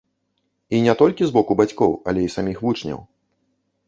І не толькі з боку бацькоў, але і саміх вучняў.